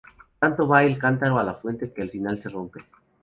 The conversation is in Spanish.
Tanto va el cántaro a la fuente que al final se rompe